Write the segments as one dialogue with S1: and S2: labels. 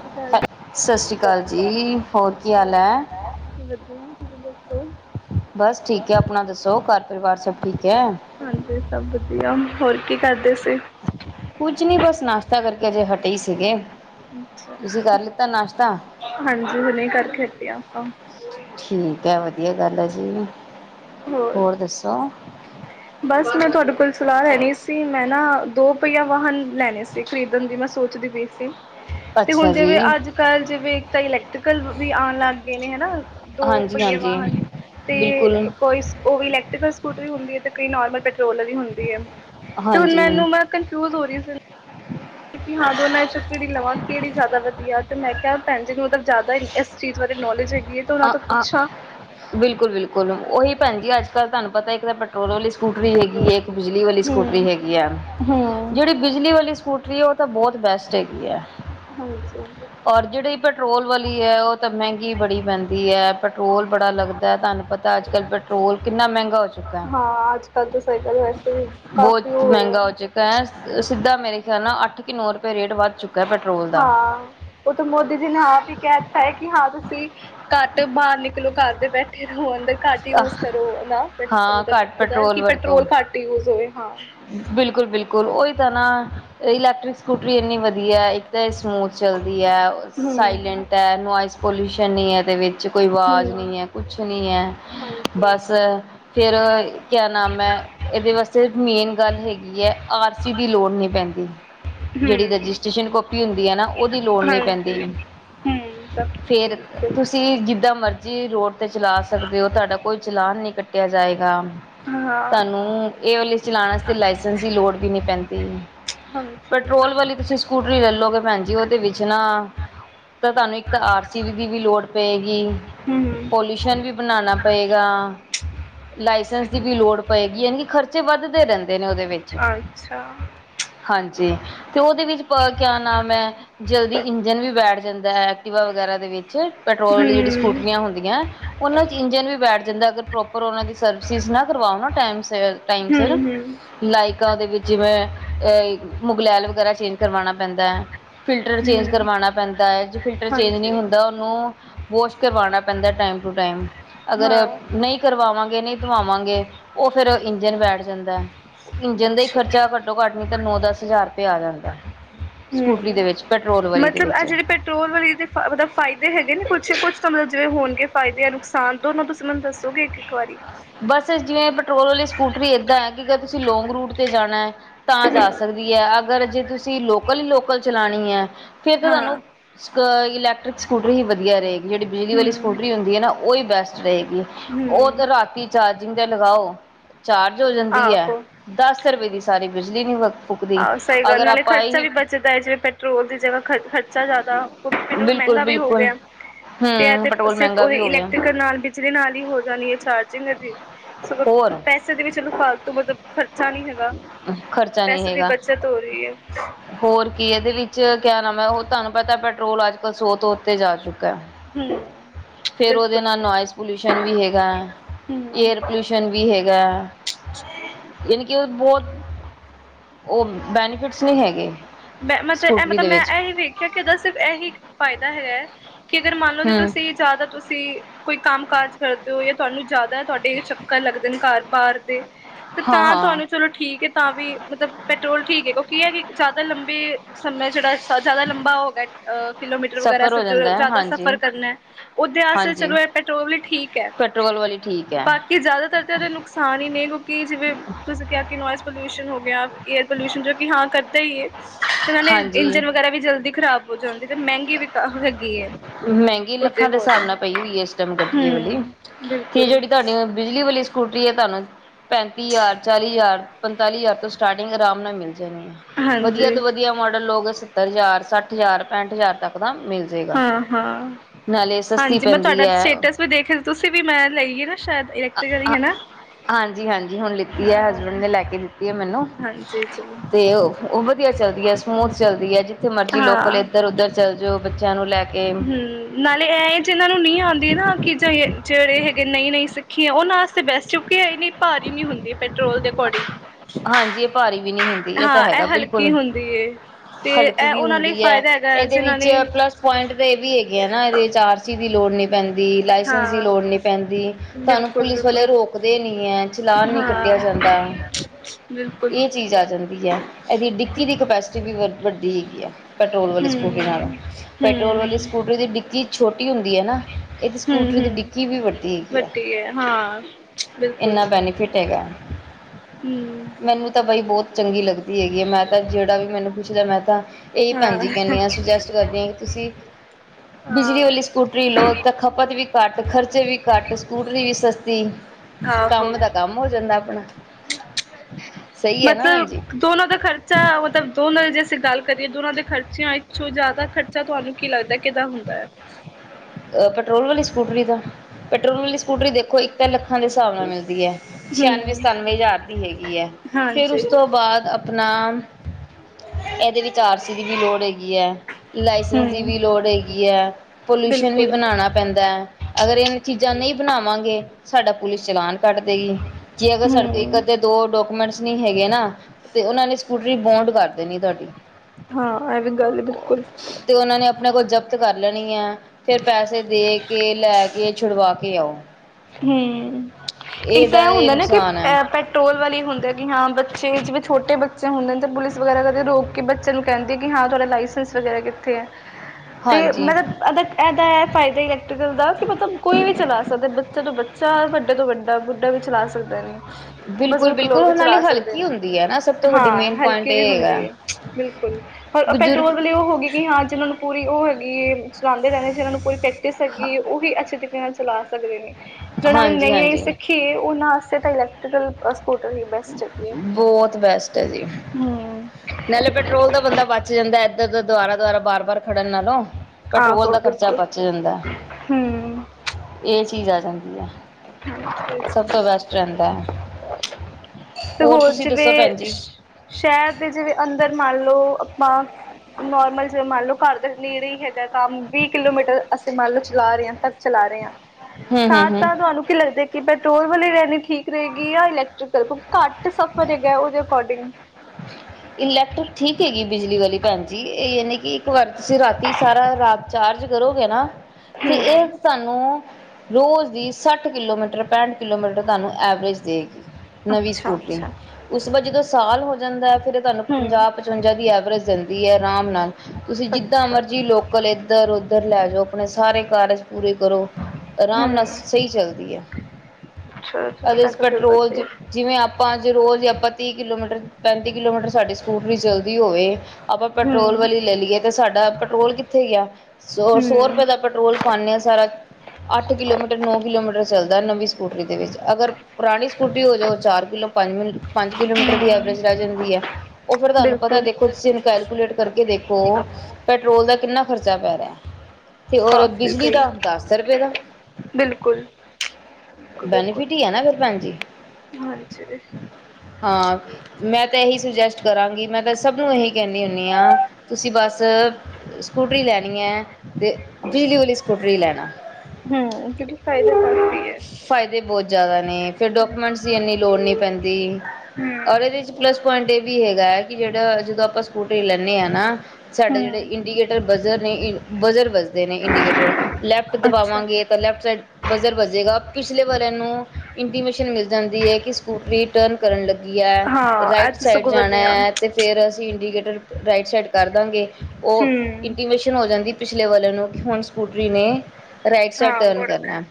S1: ਸਤਿ ਸ਼੍ਰੀ ਅਕਾਲ
S2: ਸਤਿ ਸ਼੍ਰੀ ਅਕਾਲ ਜੀ ਹੋਰ ਕੀ ਹਾਲ ਹੈ-
S1: ਤੁਸੀਂ ਦੱਸੋ-
S2: ਬਸ ਠੀਕ ਹੈ ਆਪਣਾ ਦੱਸੋ ਘਰ ਪਰਿਵਾਰ ਸਭ ਠੀਕ ਹੈ-
S1: ਹਾਂਜੀ ਸਭ ਵਧੀਆ ਹੋਰ ਕੀ ਕਰਦੇ ਸੀ?
S2: ਕੁਝ ਨਹੀਂੀ ਬਸ ਨਾਸ਼ਤਾ ਕਰਕੇ ਅਜੇ ਹਟੇ ਹੀ ਸੀਗੇ-
S1: ਅਛਾ
S2: ਤੁਸੀਂ ਕਰ ਲਿੱਤਾ ਨਾਸ਼ਤਾ
S1: ਹਾਂਜੀ ਹੁਨੇ ਕਰਕੇ ਹਟਿਆ ਆਪਾਂ-
S2: ਠੀਕ ਹੈ ਵਧੀਆ ਗੱਲ ਹੈ ਜੀ ਹੋਰ ਦੱਸੋ-
S1: ਬਸ ਮੈਂ ਤੁਹਾਡੇ ਕੋਲ ਸਲਾਹ ਲੈਣੀ ਸੀ ਮੈਂ ਨਾ ਦੋ ਪਹੀਆ ਵਾਹਨ ਲੈਣੇ ਸੀ ਖਰੀਦਣ ਦੀ ਮੈਂ ਸੋਚਦੀ ਪਈ ਸੀ- ਤੇ ਹੁਣ
S2: ਅੱਛਾ ਜੀ
S1: ਜਿਵੇਂ ਅੱਜ ਕੱਲ੍ਹ ਜਿਵੇਂ ਵਹਿਕਲ ਲੈਨੀ ਕੱਲ ਵੀ ਆਉਣ ਲੱਗ ਗਏ ਨੇ ਹਨਾ- ਦੋ ਪਹੀਏ
S2: ਹਾਂਜੀ-ਹਾਂਜੀ
S1: ਵਾਹਨ ਤੇ
S2: ਬਿਲਕੁਲ-
S1: ਕੋਈ ਉਹ ਵੀ ਇਲੈਕਟ੍ਰੀਕਲ ਸਕੂਟਰੀ ਹੁੰਦੀ ਹੈ ਤੇ ਕਈ ਨੋਰਮਲ ਪੈਟਰੋਲ ਵਾਲ ਵੀ ਹੁੰਦੀ ਹੈ। ਤੇ ਹੁਣ
S2: ਹਾਂਜੀ
S1: ਮੈਨੂੰ ਮੈਂ ਕਨਫਿਊਜ ਹੋ ਰਹੀ ਸੀ- ਉਂ ਹਾਂ ਦੋਨਾਂ ਚੋਂ ਕਿੜੀ ਲਵਾਂ ਕਿਹੜੀ ਜ਼ਿਆਦਾ ਵਧੀਆ ਤੇ ਮੈਂ ਕਿਹਾ ਭੈਣ ਜੀ ਨੂੰ ਜ਼ਿਆਦਾ ਇਸ ਚੀਜ਼ ਬਾਰੇ ਨੌਲੇਜ ਹੈਗੀ ਹੈ। ਤੇ
S2: ਅ
S1: ਉਹਨਾਂ ਤੋਂ
S2: ਅ
S1: ਪੁੱਛਾਂ
S2: ਬਿਲਕੁਲ ਬਿਲਕੁਲ ਉਹੀ ਭੈਣ ਜੀ ਅੱਜ ਕੱਲ ਤੁਹਾਨੂੰ ਪਤਾ ਇੱਕ ਤਾਂ ਪ ਟਾ ਵਾਲੀ ਸਕੂਟਰੀ ਹੈਗੀ ਹੈ, ਇੱਕ ਬਿਜਲੀ ਵਾਲੀ ਸਕੂਟਰੀ
S1: ਹੂੰ
S2: ਹੈਗੀ ਹੈ,
S1: ਹੂੰ
S2: ਜਿਹੜੀ ਬਿਜਲੀ ਵਾਲੀ ਸਕੂਟਰੀ ਉਹ ਤਾਂ ਬਹੁਤ ਬੈਸਟ ਹੈਗੀ ਹੈ।
S1: ਹਾਂਜੀ ਹਾਂਜੀ
S2: ਔਰ ਜਿਹੜੀ ਪੈਟਰੋਲ ਵਾਲੀ ਹੈ, ਉਹ ਤਾਂ ਮਹਿੰਗੀ ਬੜੀ ਪੈਂਦੀ। ਪੈਟਰੋਲ ਬੜਾ ਲੱਗਦਾ ਤੁਹਾਨੂੰ ਪਤਾ ਅੱਜ ਕੱਲ੍ਹ ਪੈਟਰੋਲ ਕਿੰਨਾ ਮਹਿੰਗਾ ਹੋ ਚੁੱਕਾ ਹੈ,
S1: ਹਾਂ ਅੱਜ ਕੱਲ੍ਹ ਤਾਂ ਸਾਈਕਲ ਵੈਸੇ ਵੀ ਕਾਫੀ
S2: ਬਹੁਤ
S1: ਰਿਹਾ
S2: ਮਹਿੰਗਾ ਹੋ ਚੁੱਕਾ ਹੈ ਸਿੱਧਾ ਮੇਰੇ ਖਿਆਲ ਨਾਲ ਅੱ ਕਿਉਂਕਿ ਨੋ ਰੁਪਏੇ ਰੇਟ ਵੱਧ ਚੁਕਾ
S1: ਹਾਂ ਉਹ ਤਾਂ ਮੋਦੀ ਜੀ ਨੇ ਆਪ ਵੀ ਕਹਿ ਦਿੱਤਾ ਹੈ, ਕਿ ਹਾਂ ਤੁਸੀਂ ਘੱਟ ਬਾਹਰ ਨਿਕਲੋ ਘਰ ਦੇ ਬੈਠੇ ਰਹੋ ਅੰਦਰ ਘੱਟ ਯੂਜ ਕਰੋ ਨਾ ਪੈਟ
S2: ਹਾਂ
S1: ਮਤਲਬ
S2: ਘੱਟ
S1: ਉਹਦਾ
S2: ਪੈਟਰੋਲ
S1: ਕਿ
S2: ਵਰਤੋਂ
S1: ਪੈਟਰੋਲ ਘੱਟ ਯੂਜ ਹੋਵੇ ਹਾਂ
S2: ਬਿਲਕੁਲ ਬਿਲਕੁਲ ਉਹੀ ਤਾਂ ਨਾ ਇਲੈਕਟ੍ਰਿਕ ਸਕੂਟਰੀ ਇੰਨੀ ਵਧੀਆ ਤੇ, ਸਮੂਥ ਚੱਲਦੀ ਹੈ,
S1: ਹੂੰ
S2: ਸਾਈਲੈਂਟ ਹੈ ਨੋਆਇਜ਼ ਪੋਲਊਸ਼ਨ ਨਹੀਂ ਇਹਦੇ ਵਿੱਚ ਕੋਈ ਅਵਾਜ਼
S1: ਹੂੰ
S2: ਨਹੀਂ ਹੈ ਕੁਛ ਨਹੀਂ ਹੈ।
S1: ਹਾਂਜੀ
S2: ਬਸ ਫੇਰ ਕਿਆ ਨਾਮ ਹੈ, ਇਹਦੇ ਵਾਸਤੇ ਮੇਨ ਗੱਲ ਗੱਲ ਹੈਗੀ ਹੈ। ਆਰ ਸੀ ਦੀ ਲੋੜ ਨਹੀਂ ਪੈਂਦੀ ਜਿਹੜੀ
S1: ਹੂੰ
S2: ਰਜਿਸਟ੍ਰੇਸ਼ਨ ਕਾਪੀ ਹੁੰਦੀ ਹੈ, ਨਾ ਉਹਦੀ ਲੋੜ ਨਹੀਂ ਪੈਂਦੀ
S1: ਹਾਂਜੀ ਹੂੰ
S2: ਫੇਰ ਤੁਸੀਂ ਜਿੱਦਾਂ ਮਰਜ਼ੀ ਰੋਡ ਤੇ ਚਲਾ ਸਕਦੇ ਹੋ। ਚਲਾਨ ਨੀ ਕੱਟਿਆ ਜਾਏਗਾ। ਤੁਹਾਨੂੰ ਇਹ ਵਾਲੀ ਚਲਾਉਣਾ ਵਾਸਤੇ ਲਾਇਸੈਂਸ ਦੀ ਲੋੜ ਵੀ ਨੀ ਪੈਂਦੀ
S1: ਹਾਂਜੀ
S2: ਪੈਟਰੋਲ ਵਾਲੀ ਤੁਸੀਂ ਸਕੂਟਰੀ ਲੈਲੋਗੇ ਭੈਣ ਜੀ ਉਹਦੇ ਵਿੱਚ ਨਾ ਤਾਂ ਤੁਹਾਨੂੰ ਇੱਕ ਤਾਂ ਆਰ ਸੀ ਦੀ ਵੀ ਲੋੜ ਪਏਗੀ
S1: ਹੂੰ
S2: ਪੋਲਿਊਸ਼ਨ ਵੀ ਬਣਾਣਾ ਤਾ ਲਾਇਸੈਂਸ ਦੀ ਵੀ ਲੋੜ ਪਏਗੀ, ਜਾਨੀ ਕਿ ਖਰਚੇ ਵੱਧਦੇ ਰਹਿੰਦੇ ਉਹਦੇ ਵਿੱਚ
S1: ਅੱਛਾ
S2: ਹਾਂਜੀ ਤੇ ਉਹਦੇ ਵਿੱਚ ਕਿਆ ਨਾਮ ਹੈ ਜਲਦੀ ਇੰਜਣ ਵੀ ਬੈਠ ਜਾਂਦਾ ਹੈ, ਐਕਟੀਵਾ ਵਗੈਰਾ ਦੇ ਵਿੱਚ ਤੇ
S1: ਹੂੰ
S2: ਪੈਟਰੋਲ ਜਿਹੜੀ ਸਕੂਟਰੀਆਂ ਹੁੰਦੀਆਂ ਉਹਨਾਂ ਚ ਇੰਜਨ ਵੀ ਬੈਠ ਜਾਂਦਾ ਅਗਰ ਪ੍ਰੋਪਰ ਉਹਨਾਂ ਦੀ ਸਰਵਿਸ ਨਾ ਕਰਵਾਓ ਨਾ ਟਾਈਮ ਸਿ ਸਿਰ ਟਾਈਮ
S1: ਹੂੰ
S2: ਸਿਰ
S1: ਹੂੰ
S2: ਲਾਇਕਾ ਉਹਦੇ ਵਿੱਚ ਜਿਵੇਂ ਏਹ ਮੁਗਲੈਲ ਵਗੈਰਾ ਚੇਂਜ ਕਰਵਾਉਣਾ ਪੈਂਦਾ ਐ। ਫਿਲਟਰ ਚੇਂਜ
S1: ਹੂੰ
S2: ਕਰਵਾਣਾ ਪੈਂਦਾ ਹੈ, ਜੇ ਫਿਲਟਰ ਚੇਂਜ ਨਹੀਂ
S1: ਹਾਂਜੀ
S2: ਹੁੰਦਾ ਉਹਨੂੰ ਵੋਸ਼ ਕਰਵਾਉਣਾ ਪੈਂਦਾ ਟਾਈਮ ਟੂ ਟਾਈਮ, ਅਗਰ
S1: ਹਾਂ
S2: ਨਹੀਂ ਕਰਵਾਵਾਂਗੇ ਨਹੀਂ ਧਵਾਵਾਂਗੇ ਉਹ ਫੇਰ ਇੰਜਣ ਬੈਠ ਜਾਂਦਾ। ਇੰਜਨ ਦਾ ਹੀ
S1: ਅੱਛਾ
S2: ਖਰਚਾ ਘੱਟੋ ਘੱਟ ਨੀ ਤਾਂ ਨੌ ਦਸ ਹਜ਼ਾਰ ਰੁਪਏ ਆ ਜਾਂਦਾ। ਸਕੂਟਰੀ
S1: ਹੂੰ,
S2: ਦੇ ਵਿੱਚ ਪੈਟਰੋਲ ਵਾਲੀ ਦੇ
S1: ਮਤਲਬ ਆਹ
S2: ਵਿੱਚ
S1: ਜਿਹੜੇ ਪੈਟਰੋਲ ਵਾਲੀ ਮਤਲਬ ਫਾਇਦੇ ਹੈਗੇ ਨੇ ਕੁਛ ਕੁਛ ਤਾਂ ਜਿਵੇਂ ਹੋਣਗੇ ਫਾਇਦੇ ਆ ਨੁਕਸਾਨ ਤਾਂ ਉਹਨਾਂ ਤੁਸੀਂ ਮੈਨੂੰ ਦੱਸੋਗੇ ਇੱਕ-ਇੱਕ ਵਾਰੀ
S2: ਬਸ ਜਿਵੇਂ ਪ ਟਰੋਲ ਵਾਲੀ ਸਕੂਟਰੀ ਏਦਾਂ ਹੈ ਕਿ ਅਗਰ ਤੁਸੀਂ ਲੌਂਗ ਰੂਟ ਤੇ ਜਾਣਾ ਹੈ ਤਾਂ ਜਾ ਸਕਦੀ ਹੈ, ਅਗਰ ਜੇ ਤੁਸੀਂ ਲੋਕਲ ਹੀ ਲੋਕਲ ਚਲਾਣੀ ਆ ਫੇਰ ਤਾਂ
S1: ਹਾਂ
S2: ਤੁਹਾਨੂੰ ਸਕਾ ਇਲ ਸਕੂਟਰ ਵੀ ਵਧੀਆ ਰਹੇਗ ਜੇੜੀ ਬਿਜਲੀ ਵਾਲੀ
S1: ਹੂੰ
S2: ਸਕੂਟਰੀ ਹੂੰਦੀ ਏ ਨਾ ਔਹੀ ਬੈਸਟ ਰੇਗੀ।
S1: ਹੂੰ
S2: ਔ ਤੇ ਰਾਤ ਚਾਰਜਿੰਗ 'ਤੇ ਲਗਾਓ‌ ਚਾਰਜ ਹੋ ਜਾਂਦੀ ਐ
S1: ਆਹੋ
S2: ਦੱਸ ਰੁਪਏ ਦੀ ਸਾਰੀ ਬਿਜਲੀ ਨੀ ਵਕ
S1: ਆਹ, ਸਹੀ ਗੱਲ, ਨਾਲੇ ਖਰਚਾ ਵੀ ਬਚਦਾ ਏ ਜਿਵੇਂ ਪੈਟਰੋਲ ਦੀ ਜਗ੍ਹਾ ਖਰ ਖਰਚਾ ਜ਼ਿਆਦਾ ਪੈਟਰੋਲ
S2: ਬਿਲਕੁਲ
S1: ਮੈੰਗਾ ਵੀ ਹੋ
S2: ਬਿਲਕੁਲ
S1: ਗਿਆ ਤੇ
S2: ਹਮ
S1: ਐਤੇ
S2: ਪੈਟਰੋਲ
S1: ਸਿਰਫ
S2: ਮਹਿੰਗਾ
S1: ਉਹੀ
S2: ਵੀ ਹੋ ਗਿਆ
S1: ਇਲੈਕਟ੍ਰਿਕਲ ਨਾਲ ਬਿਜਲੀ ਨਾਲ ਈ ਹੋ ਜਾਣੀ ਏ ਚਾਰਜ। ਜਿਨਾ ਜੀ, ਸਗੋਂ
S2: ਹੋਰ
S1: ਪੈਸੇ ਦੇ ਵਿੱਚ ਲੂ ਫਾਲਤੂ ਮਤਲਬ ਖਰਚਾ ਨਹੀਂ ਹੈਗਾ
S2: ਖਰਚਾ। ਨਈ
S1: ਪੈਸੇ ਦੀ
S2: ਹੈਗਾ,
S1: ਬੱਚਤ ਹੋ ਰਹੀ ਹੈ
S2: ਹੋਰ ਕੀ ਐਦੇ ਵਿੱਚ ਕਿਆ ਨਾਮ ਐ ਔ ਤਾਨੂੰ ਪਤਾ ਪੈਟ ਪਟਰੋਲ ਅੱਜ ਕਲ ਸੋ ਤੋ ਉਤੇ ਜਾ ਚੁੱਕ ਕਾ,
S1: ਹਮ
S2: ਫੇਰ ਔਦੇ
S1: ਬਿਲਕੁਲ
S2: ਨਾਲ ਨੋਇਸ ਪੋਲਿਊਸ਼ਨ ਵੀ ਹੇ ਗਾ।
S1: ਹਮ
S2: ਏਅਰ ਪੋਲਿਊਸ਼ਨ ਵੀ ਹੇਗਾ। ਯਾਨਿ ਬੌਤ ਔ ਬੈਨੀਫਿਟਸ ਨੀ ਹੈਗੇ।
S1: ਮੈਂ ਮਤਲਬ ਐ
S2: ਸਕੂਟਰੀ
S1: ਮਤਲਬ
S2: ਦੇ
S1: ਮੈਂ
S2: ਵਿੱਚ
S1: ਐਹੀ ਵੇਖਿਆ ਕਿ ਐਦਾ ਸਿਰਫ ਐਹੀ ਫਾਇਦਾ ਹੈਗੈ। ਕਿ ਅਗਰ ਮੰਨ ਲੋ ਜੇ
S2: ਹਮ
S1: ਤੁਸੀਂ ਜੀਅਦਾ ਤੁਸੀਂ ਕੋਈ ਕੰਮ ਕਾਰਜ ਕਰਦੇ ਔ ਯਾ ਤੁਹਾਨੂੰ ਜੈਦਾ ਤੁਹਾਡੇ ਚੱਕਰ ਲੱਗਦੇ ਨੇ ਕਾਰ ਬਾਰ ਦੇ ਤੇ
S2: ਹਾਂ
S1: ਤਾਂ
S2: ਹਾਂ
S1: ਤੁਹਾਨੂੰ ਚਲੋ ਠੀਕ ਹੈ ਤਾਂ ਵੀ ਮਤਲਬ ਪੈਟਰੋਲ ਠੀਕ ਹੈ। ਕੀ ਹੈ ਕਿ ਜਾ ਦਾ ਲੰਬੀ ਸਮੇਂ ਜੇੜਾ ਜਾਦਾ ਲੰਬਾ ਹੋ ਗਿਆ ਅ ਕਿਲੋਮੀਟਰ ਵਗੈਰਾ
S2: ਸਫ਼ਰ
S1: ਸ
S2: ਹੋ
S1: ਜ
S2: ਜਾਂਦਾ ਹੈ
S1: ਜੈਦਾ
S2: ਹਾਂਜੀ
S1: ਸਫ਼ਰ ਕਰਨੈ ਓਦੇ ਆਸੇ
S2: ਹਾਂਜੀ
S1: ਚਲੋ ਐ ਪੈਟਰੋਲ ਵਲੀ ਠੀਕ ਹੈ,
S2: ਪੈਟਰੋਲ ਵਾਲੀ ਠੀਕ ਹੈ
S1: ਬਾਕੀ ਜ਼ਿਆਦਾਤਰ ਤੇ ਐਦੇ ਨੁਕਸਾਨ ਈ ਨੇ ਕਿਉਂਕਿ ਜਿਵੇਂ ਤੁਸੀਂ ਕਿਆ ਕਿ ਨੋਇਸ ਪੋਲਿਊਸ਼ਨ ਹੋ ਗਿਆ। ਏਅਰ ਪੋਲਿਊਸ਼ਨ ਜੋ ਕਿ ਹਾਂ ਕਰ ਦਾ ਈਏ ਐ ਨਾਲੇ
S2: ਹਾਂਜੀ
S1: ਇੰਜਨ ਵਗੈਰਾ ਵੀ ਜਲਦੀ ਖ਼ਰਾਬ ਹੋ ਜਾਂਦੀ ਤੇ ਮਹਿੰਗੀ ਵੀ ਕਾ ਹੈਗੀ ਏ।
S2: ਮਹਿੰਗੀ ਲੱਖਾਂ ਦੇ ਸਾਬ ਨਾਲ ਪਈ ਹੋਈ ਏ ਇਸ ਟੈਮ ਗੱਡੀ ਯੇ ਵਾਲੀ
S1: ਹਮ
S2: ਤੇ
S1: ਬਿਲਕੁਲ
S2: ਜੇੜੀ ਤਾਡੇ ਬਿਜਲੀ ਵਾਲੀ ਸ ਸਕੂਟਰੀ ਏ ਤਾਨੂੰ ਪੈਂਤੀ ਹਜ਼ਾਰ ਚਾਲੀ ਹਜ਼ਾਰ ਪੰਤਾਲੀ ਹਜ਼ਾਰ ਤੋਂ ਸਟਾਰਟਿੰਗ ਆਰਾਮ ਨਾਲ ਮਿਲ ਜ ਜਾਣੀ ਆ, ਵਧੀਆ
S1: ਹਾਂਜੀ
S2: ਤੋਂ ਵਧੀਆ ਮਾਡਲ ਲੋਗ ਸੱਤਰ ਹਜ਼ਾਰ ਸੱਠ ਹਜ਼ਾਰ ਪੈਂਹਠ ਹਜ਼ਾਰ ਤੱਕ ਦਾ, ਮਿਲਜੇਗਾ।
S1: ਹਾਂ ਹਾਂ ਹਾਂਜੀ ਮੈਂ ਤੁਹਾਡਾ
S2: ਹੈ
S1: ਸਟੇਟਸ ਵੀ ਦੇਖ ਆ ਤੁਸੀਂ ਵੀ ਮੈਂ ਲਈਏ ਨਾ ਸ਼ਾਇਦ ਇਲੈਕਟ੍ਰੀਕਲ ਹੀ ਹੈ ਨਾ
S2: ਹਾਂਜੀ ਹਾਂਜੀ ਹੁਣ ਲਿੱਤੀ ਹੈ, ਹਸਬੈਂਡ
S1: ਹਾਂ
S2: ਨੇ ਲੈ ਕੇ ਦਿੱਤੀ ਹੈ ਮੈ ਹੈ ਨਾ
S1: ਹਾਂਜੀ ਚਲੋ
S2: ਤੇ, ਵਧੀਆ ਚੱਲਦੀ ਹੈ ਸਮੂਥ ਚੱਲਦੀ ਹੈ ਜਿੱਥੇ ਮਰਜ਼ੀ ਲੋਕਲ
S1: ਹਾਂ
S2: ਇੱਧਰ ਉੱਧਰ ਚੱਲ ਜਾਓ ਬੱਚਿਆਂ ਨੂੰ ਲੈ ਕੇ
S1: ਹੂੰ ਨਾਲੇ ਐ ਜਿਹਨਾਂ ਨੂੰ ਨਹੀਂ ਆਉਂਦੀ ਨਾ ਕਿ ਜ ਜਿਹੜੇ ਹੈਗੇ ਨੇ ਨਈ ਨਈ ਸਿੱਖੀ ਉਹਨਾ ਵਾਸਤੇ ਬੈਸਟ ਕਿਉਂਕਿ ਹੈ, ਇਨੀ ਭਾਰੀ ਹੀ ਨੀ ਹੁੰਦੀ। ਪੈਟਰੋਲ ਦੇ ਅਕੋਰਡਿੰਗ
S2: ਹਾਂਜੀ ਇਹ ਭਾਰੀ ਵੀ ਨੀ ਹੁੰਦੀ। ਇਹ ਤਾਂ
S1: ਹਾਂ
S2: ਹੈਗਾ
S1: ਹਲਕੀ
S2: ਬਿਲਕੁਲ
S1: ਹੁੰਦੀ ਏ ਤੇ
S2: ਹਲਕੀ
S1: ਇਹ
S2: ਵੀ
S1: ਉਹਨਾਂ ਲਈ
S2: ਹੁੰਦੀ ਹੈ,
S1: ਫਾਇਦਾ ਹੈਗਾ
S2: ਇਹਦੇ
S1: ਜਿਨਾਂ
S2: ਵਿੱਚ
S1: ਨੇ
S2: ਪਲੱਸ ਪੁਆਇੰਟ ਤਾਂ ਇਹ ਵੀ ਹੈਗੇ ਆ ਨਾ ਇਹਦੇ ਆਰਸੀ ਦੀ ਲੋੜ ਨਹੀਂ ਪੈਂਦੀ ਦੀ ਲਾਇਸੈਂਸ ਦੀ
S1: ਹਾਂ
S2: ਲੋੜ ਨੀ ਪੈਂਦੀ ਤੁਹਾਨੂੰ
S1: ਬਿਲਕੁਲ
S2: ਪੁਲਿਸ ਵਾਲੇ
S1: ਬਿਲਕੁਲ
S2: ਰੋਕਦੇ ਨੀ ਹੈ, ਚਲਾਨ ਨੀ ਕੱਟਿਆ
S1: ਹਾਂ
S2: ਜਾਂਦਾ
S1: ਬਿਲਕੁਲ
S2: ਇਹ ਚੀਜ਼ ਆ ਜਾਂਦੀ ਹੈ, ਇਹਦੀ ਡਿੱਕੀ ਦੀ ਕਪੈਸਿਟੀ ਵੀ ਵ ਵੱਡੀ ਐ, ਹੈ, ਪੈਟਰੋਲ ਵਾਲੀ ਸਕੂਟਰੀ ਨਾਲੋਂ
S1: ਹੂੰ
S2: ਪੈਟਰੋਲ ਵਾਲੀ
S1: ਹੂੰ
S2: ਸਕੂਟਰੀ ਦੀ ਡਿੱਕੀ ਛੋਟੀ ਹੁੰਦੀ ਹੈ, ਨਾ ਇਹ ਤੇ
S1: ਹੂੰ
S2: ਸਕੂਟਰ ਦੀ
S1: ਹੂੰ
S2: ਡਿੱਕੀ ਵੀ ਵੱਡੀ ਹੈਗੀ ਹੈ
S1: ਵੱਡੀ ਹਾਂ ਬਿਲਕੁਲ
S2: ਇਨਾ ਬੈਨੀਫਿਟ ਹੈਗਾ।
S1: ਹੂੰ,
S2: ਕੋਈ ਬਹੁਤ ਚੰਗੀ ਲੱਗਦੀ ਹੈਗੀ ਹੈ, ਮੈਂ ਤਾਂ ਜਿਹੜਾ ਵੀ ਮੈਨੂੰ ਪੁੱਛਦਾ ਮੈਂ ਤਾਂ ਇਹੀ
S1: ਹਾਂ
S2: ਭੈਣ ਜੀ ਕਹਿੰਨੀ ਆ ਸੁਜੈਸਟ ਕਰਦੀ ਹਾਂ ਕਿ ਤੁਸੀਂ ਬਿਜਲੀ
S1: ਹਾਂ
S2: ਵਾਲੀ ਸਕੂਟਰੀ ਲਓ, ਤਾਂ ਖਪਤ ਵੀ ਘੱਟ ਖਰਚੇ ਵੀ ਘੱਟ ਸਕੂਟਰੀ ਵੀ ਸਸਤੀ ਕੰਮ
S1: ਆਹੋ
S2: ਦਾ ਕੰਮ ਹੋ ਜਾਂਦਾ ਆਪਣਾ ਸਹੀ ਹੈ ਨਾ ਭੈਣ
S1: ਮਤਲਬ
S2: ਜੀ
S1: ਦੋਨੋ ਦਾ ਖਰਚਾ ਮਤਲਬ ਦੋਨੋ ਜ ਗੱਲ ਕਰੀਏ ਦੋ ਉਹਨਾਂ ਦੇ ਖਰਚਿਆਂ ਵਿੱਚੋਂ ਜ਼ਿਆਦਾ ਖਰਚਾ ਤੁਹਾਨੂੰ ਕੀ ਲੱਗਦਾ। ਕਿਦਾਂ ਹੁੰਦਾ ਐ।
S2: ਅ ਪੈਟਰੋਲ ਵਾਲੀ ਸਕੂਟਰੀ ਦਾ, ਪੈਟਰੋਲ ਵਾਲੀ ਸਕੂਟਰੀ ਦੇਖੋ, ਇੱਕ ਤਾਂ ਲੱਖਾਂ ਦੇ ਹਿਸਾਬ ਨਾਲ ਮਿਲਦੀ ਹੈ ਛਿਆਨਵੇਂ
S1: ਹੂੰ,
S2: ਸਤਾਨਵੇਂ ਹਜ਼ਾਰ ਦੀ ਹੈਗੀ ਹੈ, ਫਿਰ ਉਸ
S1: ਹਾਂਜੀ,
S2: ਤੋਂ ਬਾਅਦ ਆਪਣਾ ਇਹਦੇ ਵਿਚਾਰ ਦੀ ਵੀ ਲੋੜ ਹੈਗੀ। ਲਾਇਸੈਂਸ ਦੀ
S1: ਹੂੰ,
S2: ਵੀ ਲੋੜ ਹੈਗੀ ਹੈ ਪੋ ਵੀ
S1: ਬਿਲਕੁਲ,
S2: ਬਣਾਣਾ ਪੈਂਦਾ ਹੈ, ਅਗਰ ਇਹਨ ਚੀਜ਼ਾਂ ਨਹੀਂ ਬਣਾਵਾਂਗੇ। ਸਾਡਾ ਪੁਲਿਸ ਚਲਾਨ ਕੱਟ ਦੇਗੀ ਜੇ ਅਗਰ ਸੜਕ ਇੱਕ
S1: ਹੂੰ।
S2: ਦੋ ਡਾਕੂਮੈਂਟਸ ਨਹੀਂ ਹੈਗੇ ਨਾ, ਤੇ ਉਹਨਾਂ ਨੇ ਸਕੂਟਰੀ ਬੋਂਡ ਕਰਦੇ ਨੇ ਤੁਹਾਡੀ,
S1: ਹਾਂ, ਇਹ ਵੀ ਗੱਲ ਬਿਲਕੁਲ,
S2: ਤੇ ਉਹਨਾਂ ਨੇ ਆਪਣੇ ਕੋਲ ਜ ਤ ਕਰ ਲੈਣੀ ਹੈ। ਫਿਰ ਪੈਸੇ ਦੇ ਕੇ, ਲੈ ਕੇ, ਛੁਡਵਾ ਕੇ ਆਉ।
S1: ਹਮ। ਇੱਕ ਤਾਂ ਇਹ ਹੁੰਦਾ ਨਾ ਕਿ
S2: ਨੁਕਸਾਨ ਹੈ
S1: ਅ ਪੈਟਰੋਲ ਵਾਲੇ ਹੁੰਦੇ ਆ ਕਿ ਹਾਂ ਬੱਚੇ ਛੋਟੇ ਬੱਚੇ ਹੁੰਦੇ ਨੇ ਤਾਂ ਪੁਲਿਸ ਵਗੈਰਾ ਕਦੇ ਰੋਕ ਕੇ ਬੱਚਿਆਂ ਨੂੰ ਕਹਿੰਦੀ ਹੈ ਕਿ ਹਾਂ ਤੁਹਾਡਾ ਲਾਇਸੈਂਸ ਵਗੈਰਾ ਕਿੱਥੇ ਹੈ। ਤੇ
S2: ਹਾਂਜੀ
S1: ਮਤਲਬ ਅਦਕ, ਇਹਦਾ ਇਹ ਫਾਇਦਾ ਹੀ ਲਗ ਦਾ ਕਿ ਮਤਲਬ ਕੋਈ ਵੀ ਚਲਾ ਸਕਦਾੱ ਬੱਚਾ ਤੋਂ ਬੱਚਾ, ਵੱਡੇ ਤੋਂ ਵੱਡਾ ਬੁੱਢਾ ਵੀ ਚਲਾ ਸਕਦਾ ਨੇ
S2: ਬਿਲਕੁਲ
S1: ਬਜ਼ੁਰਗ
S2: ਬਿਲਕੁਲ
S1: ਲੋਕ ਵੀ
S2: ਉਹ ਨਾਲੇ
S1: ਚਲਾ ਸਕਦੇ
S2: ਹਲਕੀ
S1: ਨੇ।
S2: ਹੁੰਦੀ ਹੈ ਨਾ ਸਭ ਤੋਂ ਵੱਡੀ
S1: ਹਾਂ,
S2: ਮੇਨ ਪੁਆਇੰਟ
S1: ਹਲਕੀ ਵੀ
S2: ਇਹ
S1: ਹੁੰਦੀ
S2: ਹੈਗਾ
S1: ਹੈ। ਬਿਲਕੁਲ,
S2: ਬਜ਼ੁਰਗ
S1: ਪੈਟਰੋਲ ਵਾਲੀ ਉਹ ਹੋਗੀ ਕਿ ਹਾਂ ਜਿਹਨਾਂ ਨੂੰ ਪੂਰੀ ਉਹ ਹੈ ਕਿ ਇਹ ਚਲਾਉਂਦੇ ਰਹਿੰਦੇ ਜਿਹਨਾਂ ਨੂੰ ਸਗੀ ਉਹੀ ਅੱਛੇ ਤਰੀਕੇ ਨਾਲ ਚਲਾ ਸਕਦੇ ਨੇ। ਜਿਹਨਾਂ ਨੇ
S2: ਹਾਂਜੀ
S1: ਨਈ- ਨਈ
S2: ਹਾਂਜੀ
S1: ਸਿੱਖੀ ਏ ਉਹਨਾਂ ਇਲੈਕਟ੍ਰਿਕਲ
S2: ਬਹੁਤ ਬੈਸਟ ਹੈ ਜੀ,
S1: ਹਮ
S2: ਨਾਲੇ ਪੈਟਰੋਲ ਦਾ ਬੰਦਾ ਬਚ ਜਾਂਦਾ ਏਧਰ-ੳਦਰ ਦੁਆਰਾ- ਦੁਆਰਾ ਬਾਰ ਖੜਨ ਨਾਲੋਂ, ਪੈਟਰੋਲ
S1: ਆਹੋ
S2: ਦਾ ਖਰਚਾ
S1: ਬਿਲਕੁਲ
S2: ਬਚ ਜਾਂਦਾ।
S1: ਹਮ
S2: ਇਹ ਚੀਜ਼ ਆ ਜਾਂਦੀ ਹੈ। ਸਭ ਤੋਂ ਬੈਸਟ ਰਹਿੰਦਾ ਹੈ।
S1: ਤੇ ਹੋਰ,
S2: ਤੁਸੀਂ ਦੱਸੋ
S1: ਜਿਵੇਂ
S2: ਭੈਣ ਜੀ
S1: ਸ਼ਹਿਰ ਦੇ ਜਿਵੇਂ ਅੰਦਰ ਮੰਨ ਲਓ ਆਪਾਂ ਨੋਰਮਲ ਜ ਮੰਨ ਲਓ, ਘਰ ਦੇ ਨੇੜੇ ਹੀ ਹੈਗਾ ਕੰਮ, ਵੀਹ- ਕਿਲੋਮੀਟਰ ਅਸੀਂ ਮੰਨ ਲਓ ਚ ਚਲਾ ਰਹੇ ਆ ਲਾ ਰਹੇ ਹਾਂ, ਤੱਕ ਚਲਾ ਰਹੇ ਹਾਂ।
S2: ਹਮ
S1: ਤਾਂ
S2: ਹਮ ਹਮ
S1: ਤਾਂ ਤੁਹਾਨੂੰ ਪੈਟਰੋਲ ਵਾਲੀ ਰਹਿਣੀ ਠੀਕ ਰਹੇਗੀ ਯਾ ਇਲੈਕਟ੍ਰਕਲ ਕਿਉਂ ਕਿ ਘੱਟ ਸਫ਼ਰ ਹੈਗਾ ਉਹਦੇ ਅਕੋਰਡਿੰਗ
S2: ਇਲੈਕਟ੍ਰਿਕ ਕੀ ਇੱਕ ਵਾਰ ਤੁਸੀਂ ਰਾਤੀ ਸਾਰਾ ਰਾਤ ਚਾਰਜ ਕਰੋਗੇ ਨਾ ਤੇ ਇਹ
S1: ਹਮ
S2: ਸਾਨੂੰ ਰੋਜ਼ ਦੀ ਸੱਠ- ਕਿਲੋਮੀਟਰ, ਪੈਂਹਠ- ਕਿਲੋਮੀਟਰ ਤੁਹਾਨੂੰ ਐਵਰੇਜ ਦੇਗੀ। ਨਵੀਂ
S1: ਅੱਛਾ
S2: ਸਕੂਟਰੀ
S1: ਅੱਛਾ
S2: ਉਸ ਤੋਂ ਬਾਅਦ ਜਦੋਂ ਸਾਲ ਹੋ ਜਾਂਦਾ। ਫਿਰ ਤੁਹਾਨੂੰ
S1: ਹਮ
S2: ਪੰਜਾਹ- ਪਚਵੰਜਾ ਦੀ ਐਵਰੇਜ ਦਿੰਦੀ ਹੈ ਆਰਾਮ ਨਾਲ, ਤੁਸੀਂ ਜਿੱਦਾਂ
S1: ਅੱਛਾ
S2: ਮਰਜੀ ਲੋਕਲ ਇਧਰ- ਉਧਰ ਲੈਜੋ ਆਪਣੇ ਸਾਰੇ ਕਾਰਜ ਪੂਰੇ ਕਰੋ, ਆਰਾਮ ਨਾਲ
S1: ਹਮ
S2: ਸਹੀ ਚੱਲਦੀ ਹੈ।
S1: ਅੱਛਾ
S2: ਅਤੇ
S1: ਅੱਛਾ ਫਿਰ
S2: ਪੈਟਰੋਲ
S1: ਵਧੀਆ
S2: ਜਿਵੇਂ ਆਪਾਂ ਜ ਰੋਜ਼ ਆਪਾਂ ਤੀਹ ਕਿਲੋਮੀਟਰ ਪੈਂਤੀ ਕਿਲੋਮੀਟਰ ਸਾਡੇ ਸਕੂਟਰ ਚਲਦੀ ਹੋਵੇ ਆਪਾਂ ਪੈਟਰੋਲ
S1: ਹਮ
S2: ਵਾਲੀ ਲੈ ਲਈਏ ਤੇ ਸਾਡਾ ਪੈਟਰੋਲ ਕਿੱਥੇ ਗਿਆ ਸ ਸੌ
S1: ਹਮ
S2: ਰੁਪਏ ਦਾ ਪੈਟਰੋਲ ਪਾਉਂਦੇ ਹਾਂ ਸਾਰਾ ਅੱਠ ਕਿਲੋਮੀਟਰ ਨੌ ਕਿਲੋਮੀਟਰ ਚੱਲਦਾ ਦ ਨਵਬੀ ਸਕੂਟਰੀ ਦੇ ਵਿੱਚ ਅਗਰ ਪੁਰਾਣੀ ਸਕੂਟੀ ਹੋ ਜਾਵੇ ਚਾਰ ਕਿੱਲੋ ਪੰਜ ਮੱਲ ਪੰਜ ਕਿਲੋਮੀਟਰ ਦੀ ਐਵਰੇਜ ਰਹਿ ਜਾਂਦੀ ਹੈ ਉਹ ਫੇਿਰ ਤੁਹਾਨੂੰ ਪਤਾ
S1: ਬਿਲਕੁਲ
S2: ਦੇਖੋ ਤੁਸੀਂ ਇਹਨੂੰ ਕੈਲਕੂਲੇਟ ਕਰਕੇ ਦੇਖੋ ਪੈਟਰੋਲ ਦਾ ਕਿੰਨਾ ਖਰਚਾ ਪੈ ਰਿਹਾ ਤੇ ਹੋਰ
S1: ਕਾਫੀ
S2: ਬਿਜਲੀ
S1: ਬਈ
S2: ਦਾ ਦਸ ਰੁਪਏ ਦਾ
S1: ਬਿਲਕੁਲ ਬਿਲਕੁਲ ਬਿਲਕੁਲ
S2: ਬੈਨੀਫਿਟ ਨਾ ਭੈਣ ਜੀ
S1: ਹਾਂਜੀ
S2: ਹਾਂ ਮੈਂ ਤਾਂ ਇਹੀ ਸੁਜੈਸਟ ਕਰਾਂਗੀ ਮੈਂ ਤਾਂ ਸਭ ਨੂੰ ਇਹੀ ਕਹਿੰਦੀ ਹੁੰਦੀ ਹਾਂ ਤੁਸੀਂ ਬਸ ਸਕੂਟਰੀ ਲੈਣੀ ਹੈ ਅਤੇ ਬਿਜਲੀ ਵਾਲੀ ਸਕੂਟਰੀ ਲੈਣਾ
S1: ਹਮ ਕਿ ਫਾਇਦਾ
S2: ਫਾਇਦੇ ਬਹੁਤ ਜਿਆਦਾ ਨੇ ਫਿਰ ਡਾਕੂਮੈਂਟਸ ਦੀ ਇਨੀ ਲੋੜ ਨਹੀਂ ਪੈਂਦੀ
S1: ਹੂੰ
S2: ਔਰ ਇਹਦੇ ਚ ਪਲਸ ਪੁਆਇੰਟ ਇਹ ਵੀ ਹੈਗਾ ਹੈ ਕਿ ਜਿਹੜਾ ਜਦੋਂ ਆਪਾਂ ਸਕੂਟਰੀ ਲੈਂਦੇ ਹਾਂ ਨਾ ਸਾਡੇ
S1: ਹੂੰ
S2: ਜਿਹੜੇ ਇੰਡੀਕੇਟਰ ਬ ਜਰ ਨਹੀਂ ਬਜ਼ਰ ਇੰਡੀਕੇਟਰ ਲੈਫਟ
S1: ਅੱਛਾ
S2: ਦਬਾਵਾਂਗੇ ਤਾਂ ਲੈਫਟ ਸਾਈਡ ਤੇ ਬਜ਼ਰ ਵਜੇਗਾ ਪਿਛਲੇ ਵਾਰ ਇਹਨੂੰ ਇੰਟੀਮੇਸ਼ਨ ਮਿਲ ਜਾਂਦੀ ਹੈ ਕਿ ਸਕੂਟਰੀ ਟਰਨ ਕਰਨ ਲੱਗੇ
S1: ਹਾਂ ਇਹ
S2: ਰਾਈਟ
S1: ਤਾਂ
S2: ਸਾਈਡ
S1: ਸਗੋਂ
S2: ਜਾਣਾ
S1: ਵਧੀਆ
S2: ਹੈ ਤੇ ਫਿਰ ਅਸੀਂ ਇੰਡੀਕੇਟਡ ਰਾਈਟ ਸਾਈਡ ਕਰ ਦਾਂਗੇ ਉਹ
S1: ਹੂੰ
S2: ਇੰਟੀਮੇਸ਼ਨ ਹੋ ਜਾਂਦੀ ਪਿਛਲੇ ਵੱਲਿਆਂ ਨੂੰ ਹੁਣ ਸਕੂਟਰੀ ਨੇ ਰਾਈਟ ਸਾਈਡ
S1: ਹਾਂ
S2: ਟਰਨ
S1: ਮੁੜ ਪਿਆ
S2: ਕਰਨਾ।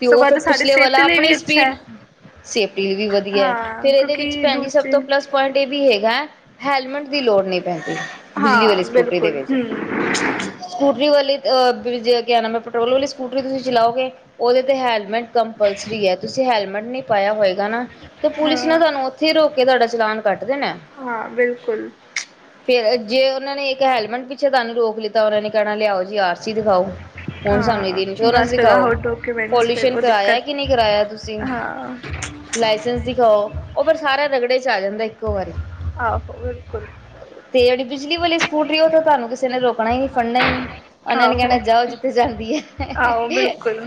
S2: ਤੇ ਉਹ
S1: ਸਗੋਂ ਇਹ
S2: ਫਿਰ
S1: ਤਾਂ ਸਾਡੀ
S2: ਪਿਛਲੇ ਵਾਲਾ
S1: ਸੇਫਟੀ ਲਈ ਵੀ
S2: ਆਪਣੀ
S1: ਅੱਛਾ
S2: ਸਪੀਡ,
S1: ਹੈ
S2: ਸੇਫਟੀ ਵੀ ਵਧੀਆ
S1: ਹਾਂ
S2: ਫਿਰ ਇਹਦੇ
S1: ਕਿਉਂਕਿ
S2: ਵਿੱਚ ਭੈਣ ਜੀ ਸਭ
S1: ਦੂਸਰੇ
S2: ਤੋਂ ਪਲੱਸ ਪੁਆਇੰਟ ਇਹ ਵੀ ਹੈਗਾ। ਹੈਲਮੇਟ ਦੀ ਲੋੜ ਨਹੀਂ ਪੈਂਦੀ
S1: ਹਾਂ
S2: ਬਿਜਲੀ ਵਾਲੀ ਸਕੂਟਰੀ ਦੇ
S1: ਬਿਲਕੁਲ
S2: ਵਿੱਚ
S1: ਹੂੰ
S2: ਸਕੂਟਰੀ ਵਾਲੇ ਅਹ ਕਿਆ ਨਾਮ ਹੈ ਪੈਟਰੋਲ ਵਾਲੀ ਸਕੂਟਰੀ ਤੁਸੀਂ ਚਲਾਓਗੇ ਉਹਦੇ ਤੇ ਹੈਲਮੇਟ ਕੰਪਲਸਰੀ ਹੈ ਤੁਸੀਂ ਹੈਲਮੇਟ ਨਹੀਂ ਪਾਇਆ ਹੋਏਗਾ ਨਾ ਤੇ ਪੁਲਿਸ
S1: ਹਾਂ
S2: ਨਾ ਤੁਹਾਨੂੰ ਉੱਥੇ ਹੀ ਰੋਕ ਕੇ ਤੁਹਾਡਾ ਚਲਾਨ ਕੱਟ ਦੇਣਾ।
S1: ਹਾਂ ਬਿਲਕੁਲ।
S2: ਫੇਰ ਜੇ ਉਹਨਾਂ ਨੇ ਇੱਕ ਹੈਲਮਟ ਪਿੱਛੇ ਤੁਹਾਨੂੰ ਰੋਕ ਲਿੱਤਾ ਉਹਨਾਂ ਨੇ ਕਹਿਣਾ ਲਿਆਓ ਜੀ ਆਰ ਸੀ ਦਿਖਾਓ ਹੁਣ ਸਾਨੂੰ
S1: ਹਾਂ
S2: ਇੰਸ਼ੋਰੈਂਸ
S1: ਬਸ ਫਿਰ
S2: ਦਿਖਾਓ।
S1: ਆਹੋ ਡਾਕੂਮੈਂਟਸ ਫਿਰ
S2: ਪੋਲਿਊਸ਼ਨ
S1: ਉਹ
S2: ਕਰਾਇਆ
S1: ਦਿੱਕਤ
S2: ਕਿ ਨਹੀਂ ਕਰਾਇਆ ਤੁਸੀਂ,
S1: ਹਾਂ
S2: ਲਾਇਸੈਂਸ ਦਿਖਾਓ ਉਹ ਫਿਰ ਸਾਰਾ ਰਗੜੇ ਆ ਜਾਂਦਾ ਇੱਕੋ ਵਾਰੀ।
S1: ਆਹੋ ਬਿਲਕੁਲ।
S2: ਤੇ ਜਿਹੜੀ ਬਿਜਲੀ ਸਕੂਟਰੀ ਉਹ ਤੇ ਤੁਹਾਨੂੰ ਕਿਸੇ ਨੇ ਰੋਕਣਾਈ ਨੀ ਫੜਨਾ ਹੀ ਨੀ ਉਹਨਾਂ ਨੇ
S1: ਆਹੋ
S2: ਕਹਿਣਾ ਜਾਓ ਜਿੱਥੇ ਜਾਂਦੀ ਹੈ।
S1: ਆਹੋ ਬਿਲਕੁਲ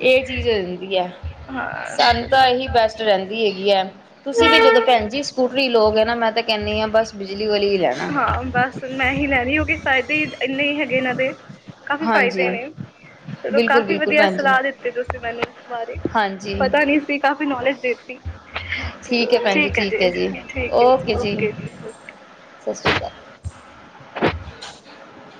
S2: ਇਹ ਚੀਜ਼ ਰਹਿੰਦੀ ਹੈ
S1: ਹਾਂ
S2: ਸਾਨੂੰ
S1: ਚਲੋ
S2: ਤਾਂ ਇਹੀ ਬੈਸਟ ਰਹਿੰਦੀ ਹੈਗੀ ਹੈ ਤੁਸੀਂ ਵੀ ਜਦੋਂ ਭੈਣ ਜੀ ਸਕੂਟਰੀ ਲੋ ਗੇ ਨਾ ਮੈਂ ਤਾਂ ਕਹਿਣੀ ਹਾਂ ਬਸ ਬਿਜਲੀ ਵਾਲੀ ਲੈਣਾ
S1: ਹਾਂ ਬਸ ਮੈਂ ਇਹੀ ਲੈਣੀ ਹੋਗੀ ਫਾਇਦੇ ਇੰਨੇ ਹੀ ਹੈਗੇ ਇਹਨਾਂ ਦੇ। ਕਾਫ਼ੀ ਫਾਇਦੇ
S2: ਹਾਂਜੀ
S1: ਨੇ ਚਲੋ
S2: ਬਿਲਕੁਲ
S1: ਕਾਫੀ
S2: ਬਿਲਕੁਲ
S1: ਵਧੀਆ
S2: ਭੈਣ ਜੀ
S1: ਸਲਾਹ ਦਿੱਤੀ ਤੁਸੀਂ ਮੈਨੂੰ ਇਸ ਬਾਰੇ
S2: ਹਾਂਜੀ
S1: ਪਤਾ ਨੀ ਸੀ ਕਾਫ਼ੀ ਨੌਲੇਜ ਦੇਤੀ ਚਲੋ ਠੀਕ ਹੈ ਜੀ, ਠੀਕ ਹੈ ਜੀ ਓਕੇ ਜੀ ਓਕੇ।
S2: ਸਤਿ ਸ਼੍ਰੀ ਅਕਾਲ।